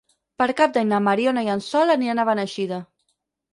Per Cap d'Any na Mariona i en Sol aniran a Beneixida.